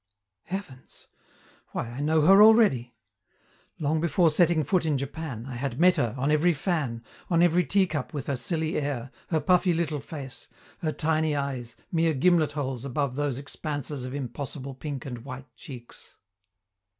Heavens! why, I know her already! Long before setting foot in Japan, I had met her, on every fan, on every teacup with her silly air, her puffy little face, her tiny eyes, mere gimlet holes above those expanses of impossible pink and white cheeks.